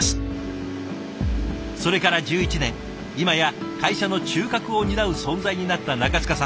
それから１１年今や会社の中核を担う存在になった中塚さん。